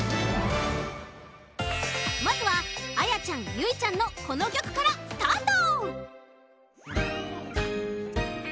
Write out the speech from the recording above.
まずはあやちゃんゆいちゃんのこのきょくからスタート！